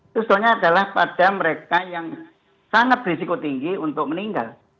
itu sebenarnya adalah pada mereka yang sangat berisiko tinggi untuk meninggal